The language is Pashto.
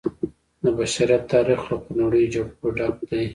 د بشریت تاریخ له خونړیو جګړو ډک دی.